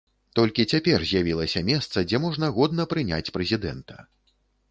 Толькі цяпер з'явілася месца, дзе можна годна прыняць прэзідэнта.